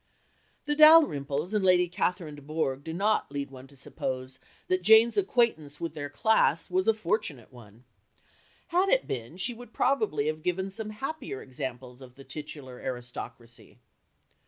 The Dalrymples and Lady Catherine de Bourgh do not lead one to suppose that Jane's acquaintance with their class was a fortunate one. Had it been, she would probably have given some happier examples of the titular aristocracy.